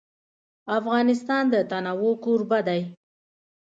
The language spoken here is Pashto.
افغانستان د تنوع کوربه دی.